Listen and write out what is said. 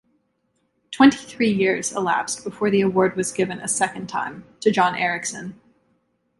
Twenty-three years elapsed before the award was given a second time, to John Ericsson.